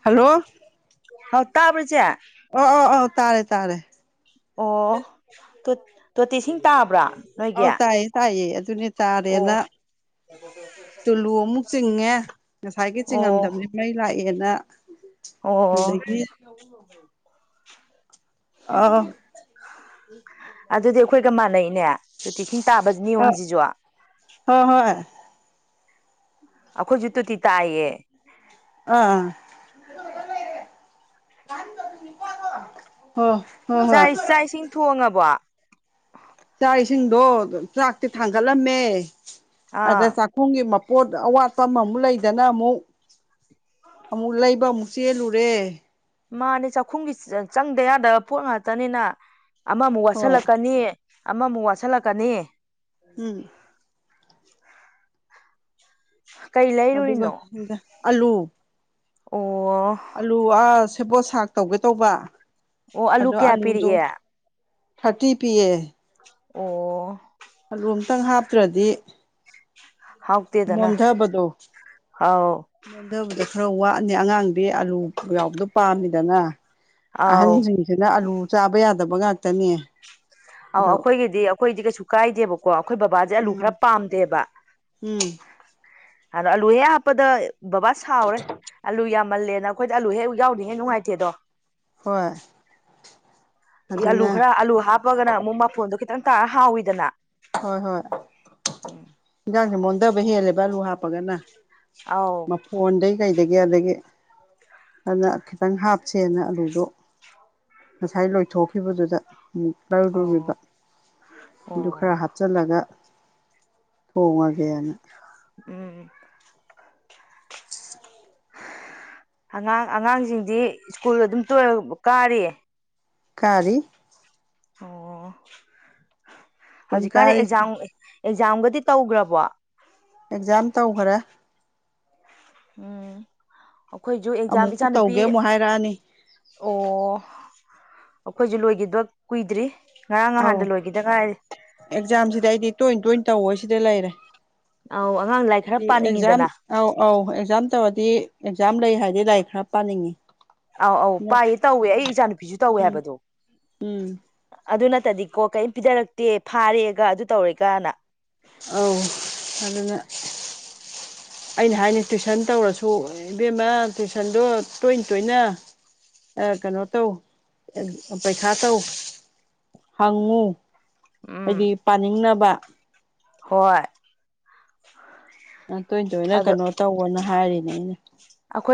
Hello ꯍꯥꯎ ꯇꯥꯕ꯭ꯔ ꯏꯆꯦ ꯑꯣ ꯑꯣ ꯑꯣ ꯇꯥꯔꯦ ꯇꯥꯔꯦ ꯑꯣ ꯇꯨꯠ ꯇꯣꯇꯤ ꯏꯁꯤꯡ ꯇꯥꯕ꯭ꯔꯥ ꯅꯣꯏꯒꯤ ꯑꯧ ꯇꯥꯏꯌꯦ ꯇꯥꯏꯌꯦ ꯑꯗꯨꯅ‌ꯦ ꯆꯥꯔꯦꯅ ꯑꯣ ꯇꯨꯂꯨ ꯑꯃꯨꯛ ꯆꯤꯡꯉꯦ ꯉꯁꯥꯏꯒꯩ ꯑꯣ ꯆꯤꯡꯉꯝꯗꯕꯅꯤ ꯃꯩ ꯂꯥꯛꯑꯦꯅ ꯑꯣ ꯑꯗꯒꯤ ꯑꯥ ꯑꯗꯨꯗꯤ ꯑꯩꯈꯣꯏꯒ ꯃꯥꯟꯅꯩꯅꯦ ꯇꯣꯇꯤ ꯏꯁꯤꯡ ꯇꯥꯕ ꯑꯧ ꯅꯤꯌꯣꯝꯖꯤꯖꯨ ꯍꯣꯏ ꯍꯣꯏ ꯑꯩꯈꯣꯏꯖꯨ ꯇꯨꯇꯤ ꯇꯥꯏꯌꯦ ꯑꯥ ꯂꯩꯔꯦ ꯂꯩꯔꯦ ꯑꯍꯟꯕꯗꯨꯅꯤ ꯀꯣ ꯑꯗꯣ ꯆꯥꯏ ꯆꯥꯛ ꯏꯁꯤꯡ ꯊꯣꯡꯉꯕꯣ ꯆꯥꯛ ꯏꯁꯤꯡꯗꯣ ꯆꯥꯛꯇꯤ ꯊꯥꯡꯒꯠꯂꯝꯃꯦ ꯑꯗ ꯑꯥ ꯆꯥꯛ ꯄꯨꯝꯒꯤ ꯃꯄꯣꯠ ꯑꯋꯥꯠꯄ ꯑꯃꯃꯨꯛ ꯂꯩꯗꯅ ꯑꯃꯨꯛ ꯑꯃꯨꯛ ꯂꯩꯕ ꯑꯃꯨꯛ ꯆꯦꯜꯂꯨꯔꯦ ꯃꯥꯅꯦ ꯆꯥꯛꯈꯨꯝꯒ ꯆ ꯆꯪꯗ ꯌꯥꯗꯕ ꯄꯣꯠ ꯉꯥꯛꯇꯅꯤꯅ ꯑꯃꯃꯨꯛ ꯍꯣꯏ ꯋꯥꯠꯁꯤꯜꯂꯛꯀꯅꯤ ꯑꯃꯃꯨꯛ ꯋꯥꯠꯁꯜꯂꯛꯀꯅꯤ ꯎꯝ ꯀꯩ ꯑꯗꯨꯒ ꯂꯩꯔꯨꯏꯅꯣ ꯑꯣ ꯑꯥꯂꯨ ꯑ ꯁꯦꯕꯣꯠ ꯁꯥꯛ ꯇꯧꯒꯦ ꯇꯧꯕ ꯑꯣ ꯑꯂꯨ ꯑꯗꯣ ꯀꯌꯥ ꯑꯥꯂꯨꯗꯣ ꯄꯤꯔꯛꯑꯦ ꯊꯥꯔꯇꯤ ꯄꯤ ꯑꯦ ꯑꯣ ꯑꯂꯨ ꯑꯃꯇꯪ ꯍꯥꯞꯇꯔꯗꯤ ꯍꯥꯎꯇꯦꯗꯅ ꯃꯣꯟꯗꯕꯗꯣ ꯑꯥꯎ ꯑꯗꯨꯕꯨꯗꯤ ꯈꯔ ꯋꯥꯠꯂꯤ ꯑꯉꯥꯡꯗꯤ ꯑꯂꯨ ꯌꯥꯎꯕꯗꯣ ꯄꯥꯝꯃꯤꯗꯅ ꯑꯥꯎ ꯑꯍꯟꯗꯤ ꯁꯤꯡꯗꯅ ꯑꯂꯨ ꯆꯥꯕ ꯌꯥꯗꯕ ꯉꯥꯛꯇꯅꯦ ꯑꯧ ꯑꯩꯈꯣꯏꯒꯤꯗꯤ ꯑꯩꯈꯣꯏꯗꯤ ꯀꯩꯁꯨ ꯀꯥꯏꯗꯦꯕꯀꯣ ꯑꯩꯈꯣꯏ ꯕꯕꯥꯁꯦ ꯑꯂꯨ ꯎꯝ ꯈꯔ ꯄꯥꯝꯗꯦꯕ ꯎꯝ ꯑꯗꯥ ꯑꯂꯨ ꯍꯦꯛ ꯍꯥꯞꯄꯗ ꯕꯕꯥ ꯁꯥꯎꯔꯦ ꯑꯂꯨ ꯌꯥꯝꯃꯜꯂꯦꯅ ꯑꯩꯈꯣꯏꯗꯤ ꯑꯂꯨ ꯍꯦꯛ ꯌꯥꯎꯗꯗꯤ ꯍꯦꯛ ꯅꯨꯡꯉꯥꯏꯇꯦꯗꯣ ꯍꯣꯏ ꯑꯜꯂꯨ ꯑꯗꯨꯅ ꯈꯔ ꯑꯜꯂꯨ ꯍꯥꯞ ꯍꯥꯞꯄꯒꯅ ꯑꯃꯨꯛ ꯃꯐꯣꯟꯗꯣ ꯈꯤꯇꯪ ꯇꯥꯔ ꯍꯥꯎꯏꯤꯗꯅ ꯍꯣꯏ ꯍꯣꯏ ꯏꯟꯖꯥꯡꯁꯦ ꯃꯣꯟꯊꯕ ꯍꯦꯜꯂꯦꯕ ꯑꯂꯨ ꯍꯥꯄ ꯄꯒꯅ ꯑꯧ ꯃꯄꯪ ꯃꯐꯣꯟꯗꯒꯤ ꯀꯩꯗꯒꯤ ꯑꯗꯒꯤ ꯑꯩꯅ ꯈꯤꯠꯇꯪ ꯍꯥꯞꯁꯦꯅ ꯑꯂꯨꯗꯣ ꯉꯁꯥꯏ ꯂꯣꯏꯊꯣꯛꯈꯤꯕꯗꯨꯗ ꯑꯃꯨꯛ ꯑꯣ ꯂꯧꯔꯨꯔꯤꯕ ꯑꯗꯨ ꯈꯔ ꯍꯥꯞ ꯑꯣ ꯍꯥꯞꯆꯤꯜꯂꯒ ꯊꯣꯡꯉꯒꯦꯅ ꯎꯝ ꯑꯉꯥꯡ ꯑꯉꯥꯡꯁꯤꯡꯗꯤ ꯁ꯭ꯀꯨꯜ ꯑꯗꯨꯝ ꯇꯣꯏꯅ ꯀꯥꯔꯤ? ꯀꯥꯔꯤ ꯑꯣ ꯁ꯭ꯀꯨꯜ ꯍꯧꯖꯤꯛꯀꯥꯟꯗꯤ ꯀꯥꯔꯤ ꯑꯦꯛꯖꯥꯝ ꯑꯦꯛꯖꯥꯝꯒꯗꯤ ꯇꯧꯈꯔꯕꯣ ꯑꯦꯛꯖꯥꯝ ꯇꯧꯈ꯭ꯔꯦ ꯎꯝ ꯑꯩꯈꯣꯏꯁꯨ ꯑꯦꯛꯖꯥꯝ ꯑꯃꯨꯛꯄꯨ ꯏꯆꯥꯅꯨꯄꯤ ꯇꯧꯒꯦ ꯑꯃꯨꯛ ꯍꯥꯏꯔꯛꯑꯅꯤ ꯑꯣ ꯑꯩꯈꯣꯏꯁꯨ ꯂꯣꯏꯒꯤꯕ ꯀꯨꯏꯗ꯭ꯔꯤ ꯉꯔꯥꯡ ꯑꯧ ꯅꯍꯥꯟꯗ ꯂꯣꯏꯈꯤꯗ ꯉꯥꯏꯔꯤ ꯑꯦꯛꯖꯥꯝꯁꯤꯗꯤ ꯑꯩꯗꯤ ꯇꯣꯏ ꯇꯣꯏ ꯇꯧ ꯑꯁꯤꯗ ꯂꯩꯔꯦ ꯑꯧ ꯑꯉꯥꯡ ꯂꯥꯏꯔꯤꯛ ꯍꯥꯏꯗꯤ ꯈꯔ ꯑꯦꯛꯖꯥꯝ ꯄꯥꯅꯤꯡꯉꯤꯗꯅ ꯑꯧ ꯑꯧ ꯑꯦꯛꯖꯥꯝ ꯇꯧꯔꯗꯤ ꯑꯦꯛꯖꯥꯝ ꯂꯩ ꯍꯥꯏꯗꯤ ꯂꯥꯏꯔꯤꯛ ꯈꯔ ꯄꯥꯅꯤꯡꯉꯤ ꯑꯧ ꯑꯧ ꯄꯥꯏꯌꯦ ꯇꯧꯋꯦ ꯑꯩ ꯏꯆꯥ ꯅꯨꯨꯄꯤꯁꯨ ꯇꯧꯋꯦ ꯎꯝ ꯍꯥꯏꯕꯗꯣ ꯎꯝ ꯑꯗꯨ ꯅꯠꯇꯗꯤꯀꯣ ꯀꯔꯤꯝ ꯄꯤꯗꯔꯛꯇꯦ ꯐꯥꯔꯦꯒ ꯑꯗꯨ ꯇꯧꯔꯦꯒꯅ ꯑꯧ ꯑꯗꯨꯅ ꯑꯩꯅ ꯍꯥꯏꯅꯤ ꯇꯨꯏꯁꯟ ꯇꯧꯔꯁꯨ ꯏꯕꯦꯝꯃ ꯇꯨꯏꯁꯟꯗꯣ ꯇꯣꯏ ꯇꯣꯏꯅ ꯑ ꯀꯩꯅꯣ ꯇꯧ ꯄꯩꯁꯥ ꯇꯧ ꯍꯪꯉꯨ ꯎꯝ ꯍꯥꯏꯗꯤ ꯄꯥꯅꯤꯡꯅꯕ ꯍꯣꯏ ꯃ ꯇꯣꯏ ꯇꯣꯏꯅ ꯑꯗꯣ ꯀꯩꯅꯣ ꯇꯧꯑꯣꯅ ꯍꯥꯏꯔꯤꯅꯦ ꯑꯩꯅ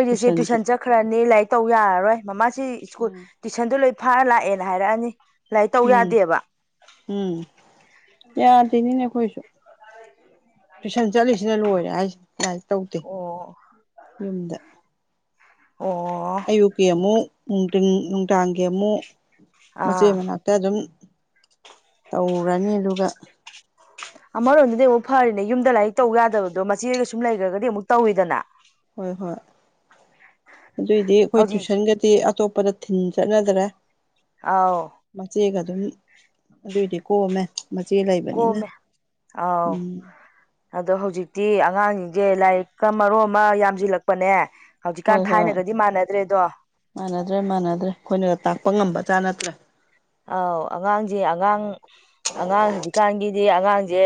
ꯇꯨꯏꯁꯟꯖꯨ ꯈ꯭ꯔꯅꯤ ꯂꯥꯏꯔꯤꯛ ꯇꯧ ꯌꯥꯔꯔꯣꯏ ꯃꯃꯥꯁꯤ ꯁ꯭ꯀꯨꯜ ꯎꯝ ꯇꯨꯏꯁꯟꯗ ꯂꯣꯏ ꯐꯥꯔ ꯂꯥꯛꯑꯦꯅ ꯍꯥꯏꯔꯛꯑꯅꯤ ꯂꯥꯏꯔꯤꯛ ꯇꯧ ꯎꯝ ꯌꯥꯗꯦꯕ ꯎꯝ ꯌꯥꯗꯤꯅꯤꯅꯦ ꯑꯩꯈꯣꯏꯁꯨ ꯇꯨꯏꯁꯟ ꯆꯠꯂꯤꯁꯤꯅ ꯂꯣꯏꯔꯦ ꯍꯥꯏꯁꯤ ꯂꯥꯏꯔꯤꯛ ꯇꯧꯗꯦ ꯑꯣ ꯌꯨꯝꯗ ꯑꯣ ꯑꯌꯨꯛꯀꯤ ꯑꯃꯨꯛ ꯅꯨꯡꯊꯤꯟ ꯅꯨꯡꯗꯥꯡꯒꯤ ꯑꯃꯨꯛ ꯑꯥ ꯃꯆꯦ ꯃꯅꯥ ꯍꯦꯛꯇ ꯑꯗꯨꯝ ꯇꯧꯔꯅꯤ ꯑꯗꯨꯒ [unintelligible] ꯑꯃꯔꯣꯝꯗꯗꯤ ꯑꯃꯨꯛ ꯐꯔꯤꯅꯦ ꯌꯨꯝꯗ ꯂꯥꯏꯔꯤꯛ ꯇꯧ ꯌꯥꯗꯕꯗꯣ ꯃꯆꯦꯒ ꯁꯨꯝ ꯂꯩꯈ꯭ꯔꯒꯗꯤ ꯑꯃꯨꯛ ꯇꯧꯋꯤꯗꯅ ꯍꯣꯏ ꯍꯣꯏ ꯑꯗꯨꯏꯗꯤ ꯑꯩꯈꯣꯏ ꯍꯧꯖꯤꯛ ꯇꯨꯏꯁꯟꯒꯗꯤ ꯑꯇꯣꯞꯄꯗ ꯊꯤꯟ ꯆꯠꯅꯗ꯭ꯔꯦ ꯑꯥꯎ ꯃꯆꯦꯒ ꯑꯗꯨꯝ ꯑꯗꯨꯏꯗꯤ ꯀꯣꯝꯃꯦ ꯃꯆꯦ ꯂꯩꯕꯅꯤꯅ ꯀꯣꯝꯃꯦ ꯑꯥꯎ ꯎꯝ ꯑꯗꯣ ꯍꯧꯖꯤꯛꯇꯤ ꯑꯉꯥꯡꯁꯤꯡꯁꯦ ꯂꯥꯏꯔꯤꯛꯀ ꯃꯔꯣꯟ ꯑꯃ ꯌꯥꯝꯁꯤꯜꯂꯛꯄꯅꯦ ꯍꯣꯏ ꯍꯧꯖꯤꯛꯀꯥꯟ ꯍꯣꯏ ꯊꯥꯏꯅꯒꯗꯤ ꯃꯥꯟꯅꯗ꯭ꯔꯦꯗꯣ ꯃꯥꯟꯅꯗ꯭ꯔꯦ ꯃꯥꯟꯅꯗ꯭ꯔꯦ ꯑꯩꯈꯣꯏꯅꯒ ꯇꯥꯛꯄ ꯉꯝꯕ ꯖꯥꯠ ꯅꯠꯇ꯭ꯔꯦ ꯑꯥꯎ ꯑꯉꯥꯡꯁꯦ ꯑꯉꯥꯡ ꯑꯉꯥꯡ ꯍꯧꯖꯤꯛꯀꯥꯟꯒꯤꯗꯤ ꯑꯉꯥꯡꯁꯦ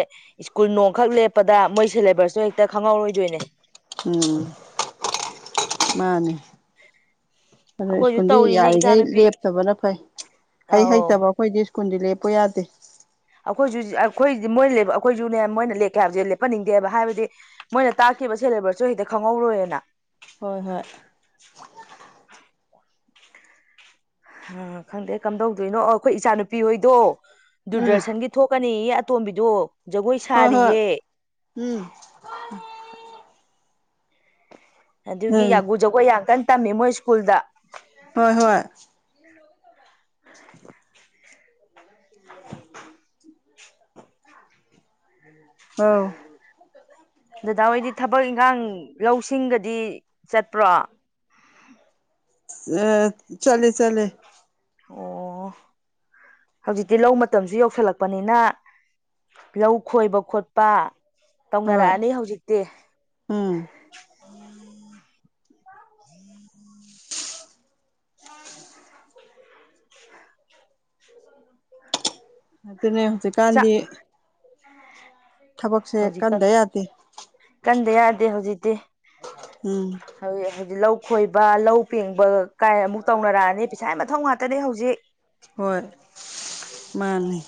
ꯁ꯭ꯀꯨꯜ ꯅꯣꯡꯈꯛ ꯂꯦꯞꯄꯗ ꯃꯣꯏ ꯁꯤꯂꯦꯕꯁꯇꯣ ꯍꯦꯛꯇ ꯈꯪꯍꯧꯔꯣꯏꯗꯣꯏꯅꯦ ꯎꯝ ꯃꯥꯅꯦ ꯑꯗꯨ ꯑꯩꯈꯣꯏꯁꯨ ꯁ꯭ꯀꯨꯜꯗꯤ ꯇꯧꯔꯤꯅꯦ ꯏꯆꯥ ꯌꯥꯔꯤꯒꯩ ꯅꯨꯨꯄꯤ ꯂꯦꯞꯇꯕꯅ ꯐꯩ ꯍꯩ ꯑꯧ ꯍꯩꯇꯕ ꯑꯩꯈꯣꯏꯗꯤ ꯁ꯭ꯀꯨꯜꯗꯤ ꯂꯦꯞꯄꯣ ꯌꯥꯗꯦ ꯑꯩꯈꯣꯏꯖꯨ ꯑꯩꯈꯣꯏꯗꯤ ꯃꯣꯏꯅ ꯂꯩꯕ ꯑꯩꯈꯣꯏꯁꯨꯅꯦ ꯃꯣꯏꯅ ꯂꯦꯛꯀꯦ ꯍꯥꯏꯕꯁꯦ ꯂꯦꯞꯄꯟꯅꯤꯡꯗꯦꯕ ꯍꯥꯏꯕꯗꯤ ꯃꯣꯏꯅ ꯇꯥꯛꯈꯤꯕ ꯁꯦꯂꯦꯕ꯭ꯁꯁꯨ ꯍꯦꯛꯇ ꯈꯪꯍꯧꯔꯣꯏꯅ ꯍꯣꯏ ꯍꯣꯏ ꯑ ꯈꯪꯗꯦ ꯀꯝꯗꯧꯗꯣꯏꯅꯣ ꯑꯩꯈꯣꯏ ꯏꯆꯥꯅꯨꯄꯤ ꯍꯣꯏꯗꯣ ꯎꯝ ꯗꯨꯔꯗꯔꯁꯟꯒꯤ ꯊꯣꯛꯀꯅꯤꯌꯦ ꯑꯇꯣꯝꯕꯤꯗꯣ ꯖꯒꯣꯏ ꯍꯣꯏ ꯍꯣꯏ ꯁꯥꯔꯤꯌꯦ ꯎꯝ ꯑꯗꯨꯒꯤ ꯎꯝ ꯌꯥꯒꯨ ꯖꯒꯣꯏ ꯌꯥꯝ ꯀꯟꯅ ꯇꯝꯃꯤ ꯃꯣꯏ ꯁ꯭ꯀꯨꯜꯗ ꯍꯣꯏ ꯍꯣꯏ inaudible ꯑꯧ ꯗꯗꯥ ꯍꯣꯏꯗꯤ ꯊꯕꯛ ꯏꯪꯈꯥꯡ ꯂꯧꯁꯤꯡꯒꯗꯤ ꯆꯠꯄ꯭ꯔꯣ ꯑ ꯆꯠꯂꯦ ꯆꯠꯂꯦ ꯑꯣ ꯍꯧꯖꯤꯛꯇꯤ ꯂꯧ ꯃꯇꯝꯁꯨ ꯌꯧꯁꯜꯂꯛꯄꯅꯤꯅ ꯂꯧ ꯈꯣꯏꯕ ꯈꯣꯠꯄ ꯍꯣꯏ ꯇꯧꯅꯔꯛꯑꯅꯤ ꯍꯧꯖꯤꯛꯇꯤ ꯎꯝ ꯑꯗꯨꯅꯦ ꯆꯥꯛ ꯍꯧꯖꯤꯛꯀꯥꯟꯗꯤ ꯊꯕꯛꯁꯦ ꯍꯧꯖꯤꯛ ꯀꯟꯗ ꯌꯥꯗꯦ ꯀꯟꯗ ꯌꯥꯗꯦ ꯍꯧꯖꯤꯛꯇꯤ ꯎꯝ ꯍꯧꯖꯤꯛ ꯂꯧ ꯈꯣꯏꯕ ꯂꯧ ꯄꯦꯡꯕ ꯀꯥꯏ ꯑꯃꯨꯛ ꯇꯧꯅꯔꯛꯑꯅꯤ ꯄꯩꯁꯥ ꯃꯊꯧ ꯉꯥꯛꯇꯅꯦ ꯍꯧꯖꯤꯛ ꯍꯣꯏ ꯃꯥꯅꯤ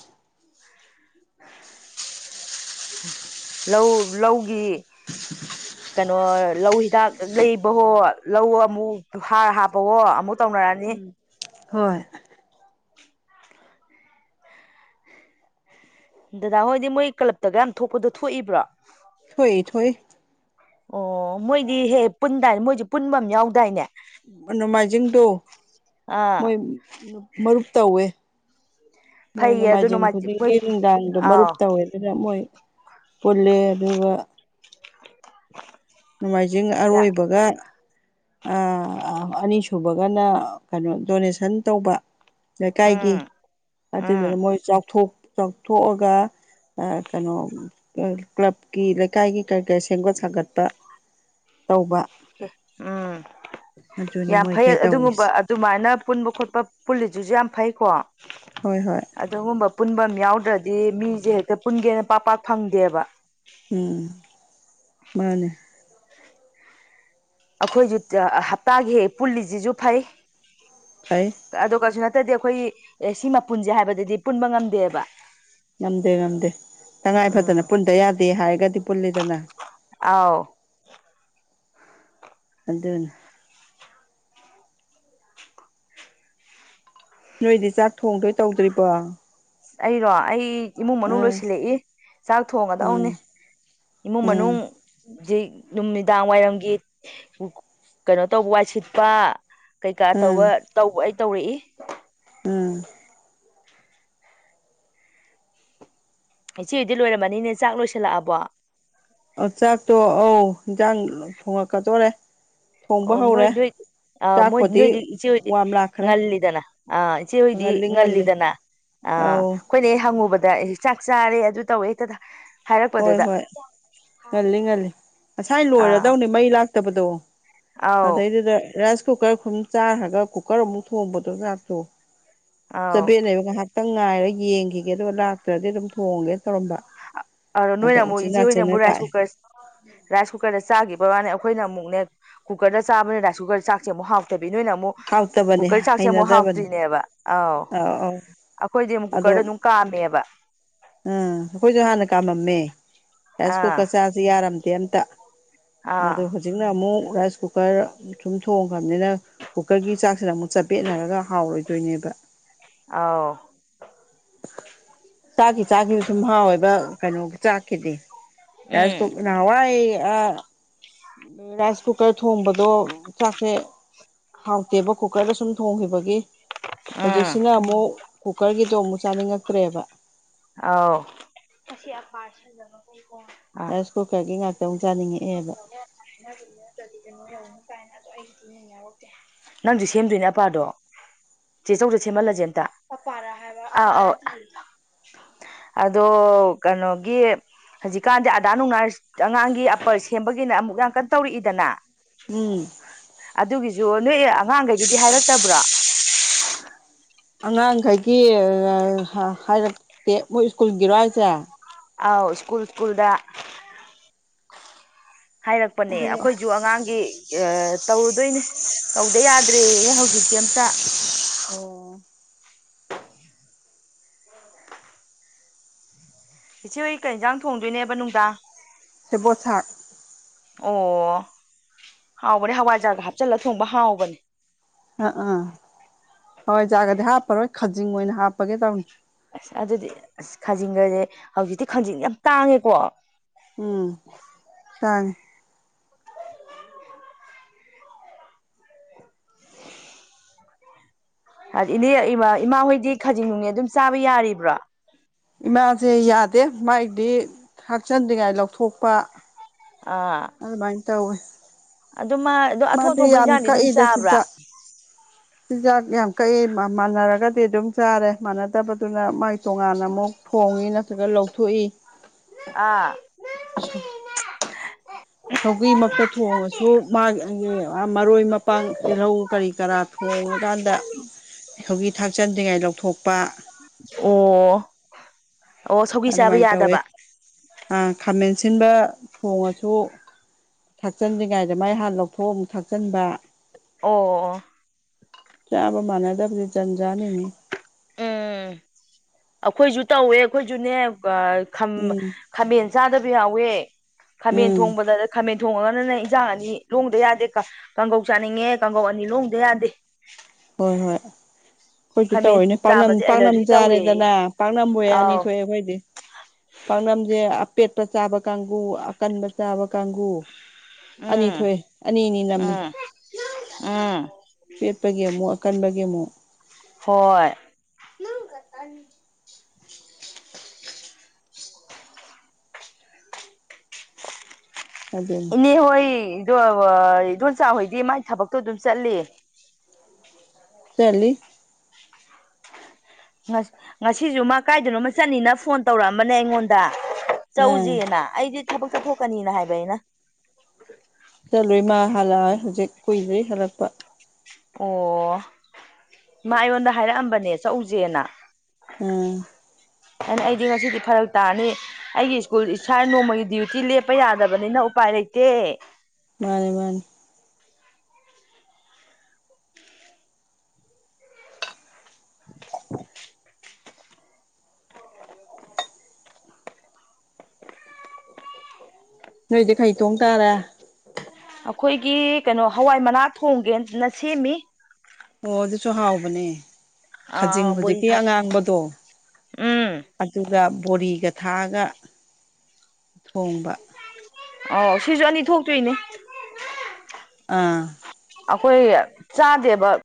ꯂꯧ ꯂꯧꯒꯤ ꯀꯩꯅꯣ ꯂꯧ ꯍꯤꯗꯥꯛ ꯂꯩꯕꯍꯣ ꯂꯧ ꯑꯃꯨꯛ ꯍꯥꯔ ꯍꯥꯞꯄꯍꯣ ꯑꯃꯨꯛ ꯇꯧꯅꯔꯅꯤ ꯎꯝ ꯍꯣꯏ ꯗꯗꯥ ꯍꯣꯏꯗꯤ ꯃꯣꯏ ꯀ꯭ꯂꯞꯇꯒ ꯌꯥꯝ ꯊꯣꯛꯄꯗꯣ ꯊꯣꯛꯏꯕ꯭ꯔꯣ ꯊꯣꯛꯏ ꯊꯣꯛꯏ ꯑꯣ ꯃꯣꯏꯗꯤ ꯍꯦꯛ ꯍꯦꯛ ꯄꯨꯟꯗꯥꯏꯅꯦ ꯃꯣꯏꯖꯦ ꯄꯨꯟꯕꯃ ꯌꯥꯎꯗꯥꯏꯅꯦ ꯅꯣꯡꯃꯥꯏꯖꯤꯡꯗꯣ ꯑꯥ ꯃꯣꯏ ꯃꯔꯨꯞ ꯇꯧꯋꯦ ꯃꯣꯏ ꯐꯩꯌꯦ ꯑꯗꯨ ꯅꯣꯡꯃꯥꯏꯖꯤꯡ ꯃꯣꯏ ꯈꯨꯗꯤꯡꯒꯤ ꯅꯨꯡꯗꯥꯡꯗꯣ ꯃꯔꯨꯞ ꯑꯥꯎ ꯇꯧꯏ ꯑꯗꯨꯅ ꯃꯣꯏ ꯄꯨꯜꯂꯦ ꯑꯗꯨꯒ ꯅꯣꯡꯃꯥꯏꯖꯤꯡ ꯑꯔꯣꯏꯕꯒ ꯑꯅꯤꯁꯨꯕꯒꯅ ꯀꯩꯅꯣ ꯗꯣꯅꯦꯁꯟ ꯇꯧꯕ ꯂꯩꯀꯥꯏꯒꯤ ꯎꯝ ꯎꯝ ꯑꯗꯨꯗꯨꯅ ꯃꯣꯏ ꯆꯥꯎ ꯆꯥꯎꯊꯣꯛꯑꯒ ꯀꯩꯅꯣ ꯀ꯭ꯂꯕꯀꯤ ꯂꯩꯀꯥꯏꯒꯤ ꯀꯔꯤ ꯀꯔꯤ ꯁꯦꯝꯒꯠ ꯁꯥꯒꯠꯄ ꯇꯧꯕ ꯑ ꯎꯝ ꯑꯗꯨꯅꯤ ꯌꯥꯝ ꯐꯩ ꯃꯣꯏꯈꯩ ꯑꯗꯨꯒꯨꯝꯕ ꯇꯧꯔꯤꯁꯦ ꯑꯗꯨꯃꯥꯏꯅ ꯄꯨꯟꯕ ꯈꯣꯠꯄ ꯄꯨꯜꯂꯤꯁꯤꯁꯨ ꯌꯥꯝ ꯐꯩ ꯀꯣ ꯍꯣꯏ ꯍꯣꯏ ꯑꯗꯨꯒꯨꯝꯕ ꯄꯨꯟꯕ ꯑꯃ ꯌꯥꯎꯗ꯭ꯔꯗꯤ ꯃꯤꯁꯤꯡꯁꯦ ꯍꯦꯛꯇ ꯄꯨꯟꯒꯦꯅ ꯄꯥꯛ ꯄꯥꯛ ꯐꯪꯗꯦꯕ ꯎꯝ ꯃꯥꯅꯦ ꯑꯩꯈꯣꯏꯁꯨ ꯍꯞꯇꯥꯒꯤ ꯍꯦꯛ ꯄꯨꯜꯂꯤꯁꯤꯁꯨ ꯐꯩ ꯐꯩ ꯑꯗꯣ ꯀꯩꯁꯨ ꯅꯠꯇꯔꯗꯤ ꯑꯩꯈꯣꯏꯒꯤ ꯑꯦ ꯁꯤꯃ ꯄꯨꯟꯁꯦ ꯍꯥꯏꯕꯗꯗꯤ ꯄꯨꯟꯕ ꯉꯝꯗꯦꯕ ꯉꯝꯗꯦ ꯉꯝꯗꯦ ꯇꯉꯥꯏ ꯐꯗꯅ ꯎꯝ ꯄꯨꯟꯗ ꯌꯥꯗꯦ ꯍꯥꯏꯔꯒꯗꯤ ꯄꯨꯜꯂꯤꯗꯅ ꯑꯥꯎ ꯑꯗꯨꯅꯤ ꯅꯣꯏꯗꯤ ꯆꯥꯛ ꯊꯣꯡꯗꯣꯏ ꯇꯧꯗ꯭ꯔꯤꯕꯣ ꯑꯩꯔꯣ ꯑꯩ ꯏꯃꯨꯡ ꯃꯅꯨꯡ ꯎꯝ ꯂꯣꯏꯁꯤꯜꯂꯛꯏ ꯆꯥꯛ ꯎꯝ ꯊꯣꯡꯉꯗꯧꯅꯤ ꯏꯃꯨꯡ ꯎꯝ ꯃꯅꯨꯡ ꯍꯧꯖꯤꯛ ꯅꯨꯃꯤꯗꯥꯡ ꯋꯥꯏꯔꯝꯒꯤ ꯀꯩꯅꯣ ꯇꯧꯕ ꯋꯥꯏ ꯁꯤꯠꯄ ꯀꯩꯀꯥ ꯎꯝ ꯇꯧꯕ ꯇꯧꯕ ꯑꯩ ꯇꯧꯔꯛꯏ ꯑꯥ ꯉꯁꯤꯒꯤꯗꯤ ꯂꯣꯏꯔꯝꯃꯅꯤꯅꯦ ꯆꯥꯛ ꯂꯣꯏꯁꯤꯜꯂꯛꯑꯕꯣ ꯑꯥ ꯆꯥꯛꯇꯣ ꯑꯧ ꯏꯟꯖꯥꯡ ꯊꯣꯡꯉꯛꯀꯗꯧꯔꯦ ꯑꯣ ꯃꯣꯏ ꯅꯣꯏ ꯑ ꯃꯣꯏ ꯆꯥꯛꯄꯨꯗꯤ ꯅꯣꯏꯗꯤ ꯏꯆꯦ ꯍꯣꯏꯗꯤ ꯋꯥꯝ ꯂꯥꯛꯈ꯭ꯔꯦ ꯉꯜꯂꯤꯗꯅ ꯑ ꯏꯆꯦ ꯍꯣꯏꯗꯤ ꯉꯜꯂꯤ ꯉꯜꯂꯤ ꯉꯜꯂꯤꯗꯅ ꯑ ꯑꯧ ꯑꯩꯈꯣꯏꯅ ꯍꯦꯛ ꯍꯪꯉꯨꯕꯗ ꯆꯥꯛ ꯆꯥꯔꯦ ꯑꯗꯨ ꯇꯧꯋꯦ ꯍꯦꯛꯇ ꯍꯣꯏ ꯍꯥꯏꯔꯛꯄꯗꯨꯗ ꯍꯣꯏ ꯉꯜꯂꯤ ꯉꯜꯂꯤ ꯉꯁꯥꯏ ꯑꯥ ꯂꯣꯏꯔꯗꯧꯅꯤ ꯃꯩ ꯂꯥꯛꯇꯕꯗꯣ ꯑꯧ ꯑꯗꯩꯗꯨꯗ ꯔꯥꯏꯁ ꯀꯨꯀꯔ ꯁꯨꯝ ꯆꯥꯈ꯭ꯔꯒ ꯀꯨꯀꯔ ꯑꯃꯨꯛ ꯊꯣꯡꯕꯗꯣ ꯆꯥꯛꯇꯣ ꯑꯧ ꯆꯕ‌ꯦꯠꯅꯩꯕ ꯉꯥꯏꯍꯥꯛꯇꯪ ꯉꯥꯏꯔꯒ ꯌꯦꯡꯈꯤꯒꯦ ꯑꯗꯨꯒ ꯂꯥꯛꯇ꯭ꯔꯗꯤ ꯑꯗꯨꯝ ꯊꯣꯡꯉꯒꯦ ꯇꯧꯔꯝꯕ ꯑꯗꯣ ꯅꯣꯏꯅ ꯑꯗ ꯑꯃꯨꯛ ꯎꯆꯤꯟ ꯏꯆꯦ ꯍ‌ꯣꯏꯅ ꯅꯥꯆꯤꯟꯅ ꯑꯃꯨꯛ ꯔꯥꯏꯁ ꯂꯥꯛꯑꯦ ꯀꯨꯀꯔꯁ ꯔꯥꯏꯁ ꯀꯨꯀꯔꯗ ꯆꯥꯈꯤꯕꯩ ꯋꯥꯅꯦ ꯑꯩꯈꯣꯏꯅ ꯑꯃꯨꯛꯅꯦ ꯀꯨꯀꯔꯗ ꯆꯥꯕꯅ ꯔꯥꯏ ꯀꯨꯀꯔ ꯆꯥꯛꯁ‌ꯦ ꯑꯃꯨꯛ ꯍꯥꯎꯇꯕꯤ ꯅꯣꯏꯅ ꯑꯃꯨꯛ ꯍꯥꯎꯇꯕꯅꯦ ꯀꯨꯀꯔ ꯆꯥꯛꯁꯦ ꯑꯃꯨꯛ ꯍꯩꯅꯗꯕꯅꯦ ꯍꯥꯎꯇ꯭ꯔꯤꯅꯦꯕ ꯑꯥꯎ ꯑꯧ ꯑꯧ ꯑꯩꯈꯣꯏꯗꯤ ꯑꯃꯨꯛ ꯑꯗꯣ ꯀꯨꯀꯔꯗ ꯑꯗꯨꯝ ꯀꯥꯝꯃꯦꯕ ꯎꯝ ꯑꯩꯈꯣꯏꯁꯨ ꯍꯥꯟꯅ ꯀꯥꯝꯃꯝꯃꯦ ꯔꯥꯏꯁ ꯑꯥ ꯀꯨꯀꯔ ꯆꯥꯛꯁꯤ ꯌꯥꯔꯝꯗꯦ ꯑꯝꯇ ꯑꯗꯣ ꯑꯥ ꯍꯧꯖꯤꯛꯅ ꯑꯃꯨꯛ ꯔꯥꯏꯁ ꯀꯨꯀꯔ ꯁꯨꯝ ꯊꯣꯡꯈꯔꯕꯅꯤꯅ ꯀꯨꯀꯔꯒꯤ ꯆꯥꯛꯁꯤꯅ ꯑꯃꯨꯛ ꯆꯥꯕ‌ꯦꯠꯅꯔꯒ ꯍꯥꯎꯔꯣꯏꯗꯣꯏꯅꯦꯕ ꯑꯧ ꯆꯥꯈꯤ ꯆꯥꯈꯤꯕ ꯁꯨꯝ ꯍꯥꯎꯋꯦꯕ ꯀꯩꯅꯣ ꯆꯥꯛꯀꯤꯗꯤ ꯔꯥꯏꯁ ꯎꯝ ꯀꯨꯀꯔꯅ ꯅꯍꯥꯟꯋꯥꯏ ꯑ ꯔꯥꯏꯁ ꯀꯨꯀꯔ ꯊꯣꯡꯕꯗꯣ ꯆꯥꯛꯁꯦ ꯍꯥꯎꯇꯦꯕ ꯀꯨꯀ꯭ꯔꯗ ꯁꯨꯝ ꯊꯣꯡꯈꯤꯕꯒꯤ ꯎꯝ ꯍꯧꯖꯤꯛꯁꯤꯅ ꯑꯃꯨꯛ ꯀꯨꯀ꯭ꯔꯒꯤꯗꯣ ꯑꯃꯨꯛ ꯆꯥꯅꯤꯡꯉꯛꯇ꯭ꯔꯦꯕ ꯑꯧ ꯑꯥ ꯔꯥꯏꯁ ꯀꯨꯀꯔꯒꯤ ꯉꯛꯇ ꯑꯃꯨꯛ ꯆꯥꯅꯤꯡꯉꯛꯑꯦꯕ [unintelligible] ꯅꯪꯁꯨ ꯁꯦꯝꯗꯣꯏꯅꯦ ꯑꯄꯥꯗꯣ ꯆꯦ ꯆꯧꯗ ꯁꯦꯝꯍꯜꯂꯁꯦ ꯑꯝꯇ ꯑꯩ ꯑꯧ ꯑꯗꯣ ꯀꯩꯅꯣꯒꯤ ꯍꯧꯖꯤꯛꯀꯥꯟꯁ‌‌ꯦ ꯑꯗꯥꯔ ꯅꯨꯡꯗꯔꯥ ꯑꯉꯥꯡꯒꯤ ꯑꯄꯔ ꯁꯦꯝꯕꯒꯤꯅ ꯑꯃꯨꯛ ꯌꯥꯝ ꯀꯟꯅ ꯇꯧꯔꯛꯏꯗꯅ ꯎꯝ ꯑꯗꯨꯒꯤꯁꯨ ꯅꯣꯏ ꯑꯉꯥꯡꯈꯩꯒꯤꯗꯤ ꯍꯥꯏꯔꯛꯇꯕꯔꯣ ꯑꯉꯥꯡꯈꯩꯒꯤ ꯑꯥ ꯍꯥꯏꯔꯛꯇꯦ ꯃꯣꯏ ꯁ꯭ꯀꯨꯜꯒꯤꯔꯣ ꯍꯥꯏꯁꯦ ꯑꯥꯎ ꯁ꯭ꯀꯨꯜ-ꯁ꯭ꯀꯨꯜꯗ ꯍꯥꯏꯔꯛꯄꯅꯦ ꯑꯗꯣ ꯑꯩꯈꯣꯏꯁꯨ ꯑꯉꯥꯡꯒꯤ ꯇꯧꯔꯨꯗꯣꯏꯅꯦ ꯇꯧꯗ ꯌꯥꯗ꯭ꯔꯦꯌ‌ꯦ ꯍꯧꯖꯤꯛꯇꯤ ꯑꯝꯇ ꯑꯣ [unintelligible] ꯏꯆ‌ꯦ ꯍꯣꯏ ꯀꯩ ꯌꯦꯟꯖꯥꯡ ꯊꯣꯡꯗꯣꯏꯅꯦꯕ ꯅꯨꯡꯗꯥꯡ ꯁꯦꯕꯣꯠ ꯁꯥꯛ- ꯑꯣ ꯍꯥꯎꯕꯅꯦ ꯍꯋꯥꯏꯖꯥꯔ ꯍꯥꯞꯆꯜꯂ ꯊꯣꯡꯕ ꯍꯥꯎꯕꯅꯦ ꯑꯥ-ꯑꯥ ꯍꯋꯥꯏꯖꯥꯔꯒꯗꯤ ꯍꯥꯞꯄꯔꯣꯏ ꯈꯥꯖꯤꯡ ꯑꯣꯏꯅ ꯍꯥꯞꯄꯒꯦ ꯇꯧꯅꯤ ꯑꯁ ꯑꯗꯨꯗꯤ ꯑꯁ ꯈꯥꯖꯤꯡꯒꯁꯦ ꯍꯧꯖꯤꯛꯇꯤ ꯈꯥꯖꯤꯡ ꯌꯥꯝ ꯇꯥꯡꯉꯦꯀꯣ꯫ ꯎꯝ ꯇꯥꯡꯉꯦ꯫ ꯍꯥꯏꯗꯤ ꯏꯅꯦ ꯏꯃꯥꯍꯣꯏꯗꯤ ꯈꯖꯤꯡ ꯅꯨꯡꯅꯦ ꯑꯗꯨꯝ ꯆꯥꯕ ꯌꯥꯔꯤꯕ꯭ꯔꯣ꯫ ꯏꯃꯥꯁꯦ ꯌꯥꯗꯦ ꯃꯥꯏꯗꯤ ꯊꯥꯛꯆꯤꯟꯗ꯭ꯔꯤꯉꯥꯏ ꯂꯧꯊꯣꯛꯄ꯫ ꯑꯥ ꯑꯗꯨꯃꯥꯏ ꯇꯧꯋꯦ꯫ ꯑꯗꯨꯝ ꯃꯥ ꯑꯗꯣ ꯑꯊꯣꯡ ꯃꯥꯗꯤ ꯑꯊꯣꯡꯕ ꯌꯥꯝ ꯏꯟꯖꯥꯡꯗꯤ ꯀꯛ ꯑꯗꯨꯝ ꯏꯗ ꯆꯥꯕ꯭ꯔꯥ ꯆꯤꯟꯖꯥꯛ꯫ ꯆꯤꯟꯖꯥꯛ ꯌꯥꯝ ꯀꯛꯏ ꯃꯥ-ꯃꯥꯟꯅꯔꯒꯗꯤ ꯑꯗꯨꯝ ꯆꯥꯔꯦ ꯃꯥꯟꯅꯗꯕꯗꯨꯅ ꯃꯥꯏ ꯇꯣꯉꯥꯟꯅ ꯑꯃꯨꯛ, ꯊꯣꯡꯏ ꯅꯠꯇ꯭ꯔꯒ ꯂꯧꯊꯣꯛꯏ꯫ ꯑꯥ ꯁꯧꯒꯒꯤꯃꯛꯇ ꯊꯣꯡꯉꯁꯨ ꯃꯥ ꯃꯔꯣꯏ ꯃꯄꯥꯡ ꯇꯤꯜꯍꯧ ꯀꯔꯤ ꯀꯔꯥ ꯊꯣꯡꯉꯀꯥꯟꯗ ꯁꯧꯒꯔꯤ ꯊꯥꯛꯆꯟꯗ꯭ꯔꯤꯉꯩ ꯂꯧꯊꯣꯛ ꯑꯣ-ꯑꯣ ꯁꯧꯒꯔꯤ ꯆꯥꯕ ꯌꯥꯗꯕ꯫ ꯑ ꯈꯥꯃꯦꯟ ꯁꯤꯟꯕ ꯊꯣꯡꯉꯁꯨ, ꯊꯥꯛꯆꯟꯗ꯭ꯔꯤꯉꯩꯗ ꯃꯥꯏ ꯍꯥꯟꯅ ꯂꯧꯊꯣꯛ ꯑꯃꯨꯛ ꯊꯥꯛꯆꯤꯟꯕ꯫ ꯑꯣ-ꯑꯣ ꯆꯥꯕ ꯃꯥꯟꯅꯗꯕꯁꯦ ꯖꯟꯖꯥꯟꯅꯤꯅꯦ꯫ ꯎꯝ ꯑꯩꯈꯣꯏꯁꯨ ꯇꯧꯋꯦ ꯑꯩꯈꯣꯏꯁꯨꯅꯦ ꯑꯥ ꯈꯝ ꯎꯝ ꯈꯥꯃꯦꯟ ꯆꯥꯗꯕꯤ ꯌꯥꯎꯋꯦ ꯈꯥꯃꯦꯟ ꯎꯝ ꯊꯣꯡꯕꯗ ꯈꯥꯃꯦꯟ ꯊꯣꯡꯉꯒꯅꯅ ꯏꯟꯖꯥꯡ ꯑꯅꯤ ꯂꯣꯡꯗ ꯌꯥꯗꯦ ꯀꯥ ꯀꯥꯡꯒꯧ ꯆꯥꯅꯤꯡꯉꯦ ꯀꯥꯡꯒꯧ ꯑꯅꯤ ꯂꯣꯡꯗ ꯌꯥꯗꯦ꯫ ꯍꯣꯏ ꯍꯣꯏ꯫ ꯑꯩꯈꯣꯏꯁꯨ ꯈꯥꯃꯦꯟ ꯇꯧꯑꯦꯅꯦ ꯆꯥꯕꯁꯦ ꯄꯥꯛꯅꯝ-ꯄꯥꯛꯅꯝ ꯑꯦꯂꯔꯖꯤ ꯇꯧꯋꯦ ꯆꯥꯔꯦꯗꯅ ꯄꯥꯛꯅꯝꯕꯨ ꯑꯣꯏ ꯑꯅꯤ ꯑꯥꯎ ꯊꯣꯛꯑꯦ ꯑꯩꯈꯣꯏꯗꯤ꯫ ꯄꯥꯛꯅꯝꯁꯦ ꯑꯄꯦꯠꯄ ꯆꯥꯕ ꯀꯥꯡꯒꯨ, ꯑꯀꯟꯕ ꯆꯥꯕ ꯀꯥꯡꯒꯨ꯫ ꯑꯅꯤ ꯎꯝ ꯊꯣꯛꯑꯦ ꯑꯅꯤ-ꯑꯅꯤ ꯅꯝꯃꯦ꯫ ꯎꯝ ꯎꯝ ꯄꯦꯠꯄꯒꯤ ꯑꯃꯨꯛ, ꯑꯀꯟꯕꯒꯤ ꯑꯃꯨꯛ꯫ ꯍꯣꯏ ꯇꯟ ꯑꯗꯨꯅꯤ ꯏꯅꯦ ꯍꯣꯏ ꯑꯗꯣ ꯏꯗꯣꯟꯆꯥ ꯍꯣꯏꯗꯤ ꯃꯥꯥꯏ ꯊꯕꯛꯇꯣ ꯑꯗꯨꯝ ꯆꯠꯂꯤ꯫ ꯆꯠꯂꯤ꯫ ꯉꯁꯤꯁꯨ ꯃꯥ ꯀꯥꯏꯗꯅꯣꯃ ꯆꯠꯅꯤꯅ ꯐꯣꯟ ꯇꯧꯔꯛꯑꯝꯕꯅꯦ ꯑꯩꯉꯣꯟꯗ ꯑꯥ ꯆꯧꯖꯦꯅ꯫ ꯑꯩꯗꯤ ꯊꯕꯛ ꯆꯠꯊꯣꯛꯀꯅꯤꯅ ꯍꯥꯏꯕ ꯑꯩꯅ꯫ ꯆꯠꯂꯨꯏ ꯃꯥ ꯍꯜꯂꯛ-ꯑꯥ ꯍꯧꯖꯤꯛ ꯀꯨꯏꯗ꯭ꯔꯤ ꯍꯜꯂꯛꯄ꯫ ꯑꯣ, ꯃꯥ ꯑꯩꯉꯣꯟꯗ ꯍꯥꯏꯔꯛꯑꯝꯕꯅꯦ ꯆꯧꯖꯦꯅ꯫ ꯑꯥ ꯑꯩꯅ ꯑꯩꯗꯤ ꯉꯁꯤꯗꯤ ꯐꯔꯛ ꯇꯥꯅꯤ꯫ ꯑꯩꯒꯤ ꯁ꯭ꯀꯨꯜ ꯏꯁꯥ ꯅꯣꯡꯃꯒꯤ ꯗ꯭ꯌꯨꯇꯤ ꯂꯦꯞꯄ ꯌꯥꯗꯕꯅꯤꯅ ꯎꯄꯥꯏ ꯂꯩꯇꯦ꯫ ꯃꯥꯅꯦ-ꯃꯥꯅꯦ꯫ inaudible [inaudible] ꯅꯣꯏꯗꯤ ꯈꯩ ꯇꯣꯡ ꯇꯥꯔꯦ꯫ ꯑꯩꯈꯣꯏꯒꯤ ꯀꯩꯅꯣ ꯍꯋꯥꯏ ꯃꯅꯥꯛ ꯊꯣꯡꯒꯦꯅ ꯁꯦꯝꯃꯤ꯫ ꯑꯣ ꯑꯗꯨꯁꯨ ꯍꯥꯎꯕꯅꯦ ꯑ ꯈꯖꯤꯡ ꯕꯣꯔꯤ ꯍꯧꯖꯤꯛꯀꯤ ꯊꯥꯎ ꯑꯉꯥꯡꯕꯗꯣ, ꯎꯝ ꯑꯗꯨꯒ ꯕꯨꯔꯤꯒ ꯊꯥꯛꯑꯒ ꯊꯣꯡꯕ꯫ ꯑꯧ ꯁꯤꯁꯨ ꯑꯅꯤ ꯊꯣꯛꯇꯣꯏꯅꯤ꯫ ꯑꯥ ꯑꯈꯣꯏ ꯆꯥꯗꯦꯕ꯫